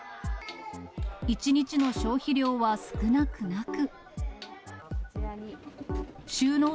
１日の消費量は少なくなく。